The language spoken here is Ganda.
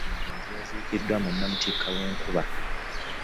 Omugenzi yaziikiddwa mu namutikwa w'enkuba